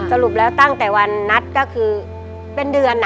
สรุปแล้วตั้งแต่วันนัดก็คือเป็นเดือน